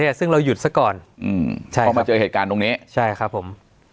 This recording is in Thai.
สวัสดีครับทุกผู้ชม